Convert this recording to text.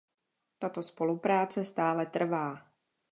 Tato spolupráce stále trvá.